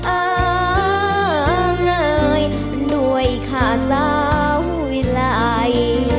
เอ่อเงยด้วยข้าซาวิลัย